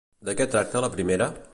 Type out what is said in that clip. De què tracta la primera?